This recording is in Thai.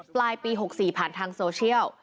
ปลายปี๖๔ผ่านทางโซเชียล